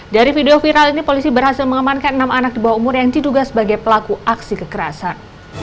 dari video viral ini polisi berhasil mengamankan enam anak di bawah umur yang diduga sebagai pelaku aksi kekerasan